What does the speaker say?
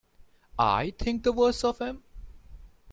I think the worse of him?